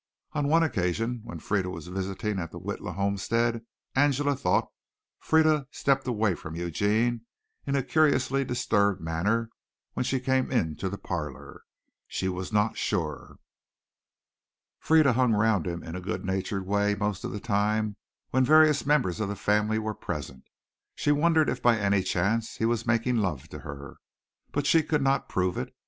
On one occasion when Frieda was visiting at the Witla homestead, Angela thought Frieda stepped away from Eugene in a curiously disturbed manner when she came into the parlor. She was not sure. Frieda hung round him in a good natured way most of the time when various members of the family were present. She wondered if by any chance he was making love to her, but she could not prove it.